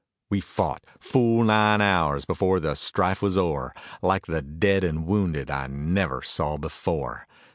We fought full nine hours before the strife was o'er, The like of dead and wounded I never saw before.